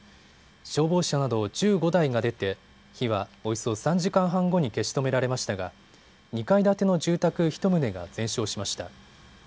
消防車など１５台が出て火はおよそ３時間半後に消し止められましたが、２階建ての住宅１棟が全焼しました。